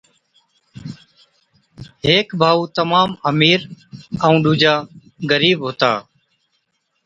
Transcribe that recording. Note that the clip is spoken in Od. ھيڪ ڀائُو تمام امير ائُون ڏُوجا غرِيب ھُتا